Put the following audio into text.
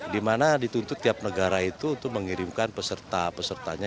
dimana dituntut tiap negara itu untuk mengirimkan peserta pesertanya